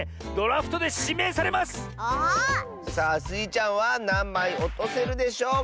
さあスイちゃんはなんまいおとせるでしょうか？